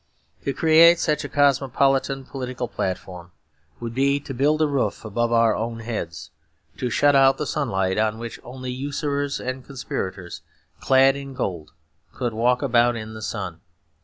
To create such a cosmopolitan political platform would be to build a roof above our own heads to shut out the sunlight, on which only usurers and conspirators clad in gold could walk about in the sun.